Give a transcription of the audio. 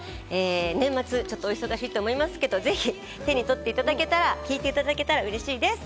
年末ちょっとお忙しいと思いますけど、ぜひ手に取っていただけたら、聴いていただけたら嬉しいです。